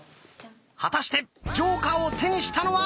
果たしてジョーカーを手にしたのは！